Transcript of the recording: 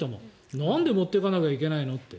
なんで持ってかなきゃいけないのって。